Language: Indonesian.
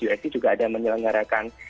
usc juga ada menyelenggarakan